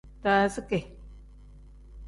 Daaziki.